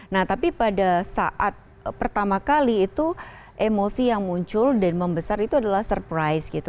nah tapi pada saat pertama kali itu emosi yang muncul dan membesar itu adalah surprise gitu